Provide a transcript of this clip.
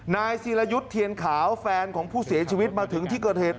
นายศิรยุทธ์เทียนขาวแฟนของผู้เสียชีวิตมาถึงที่เกิดเหตุ